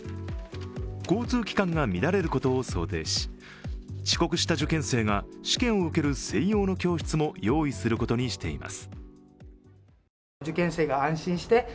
交通機関が乱れることを想定し、遅刻した受験生が試験を受ける専用の教室も用意することにしています。